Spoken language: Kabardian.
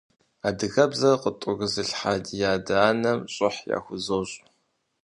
Адыгэбзэр къытӀурызылъхьа ди адэ-анэм щӀыхь яхузощӀ.